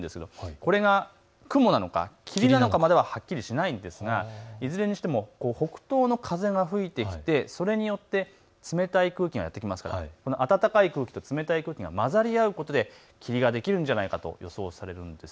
これが雲なのか霧なのかまでははっきりしないのですが、いずれにしても北東の風が吹いてきて、それによって冷たい空気がやって来ますから暖かい空気と冷たい空気が混ざり合うことで霧ができるんじゃないかと予想されています。